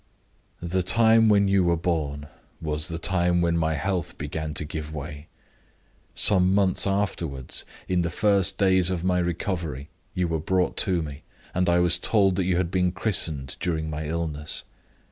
"The time when you were born was the time when my health began to give way. Some months afterward, in the first days of my recovery, you were brought to me; and I was told that you had been christened during my illness.